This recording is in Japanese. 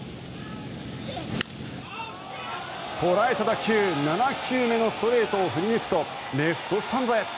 捉えた打球、７球目のストレートを振り抜くとレフトスタンドへ。